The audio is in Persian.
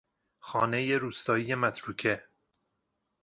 خانه روستایی متروکه